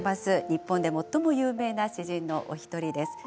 日本で最も有名な詩人のお一人です。